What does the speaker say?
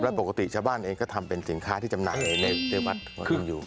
แล้วปกติชาวบ้านเองก็ทำเป็นขี้ข้าวที่จำหน่ายเองฟะ